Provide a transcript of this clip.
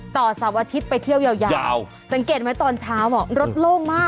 เสาร์อาทิตย์ไปเที่ยวยาวสังเกตไหมตอนเช้ารถโล่งมาก